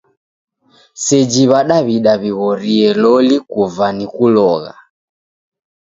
Seji W'adaw'ida w'ighorie loli kuva ni kulogha.